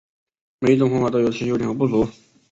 每一种方法都有其优点和不足。